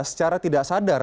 secara tidak sadar